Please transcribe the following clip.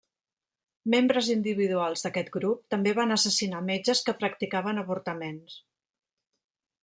Membres individuals d'aquest grup també van assassinar metges que practicaven avortaments.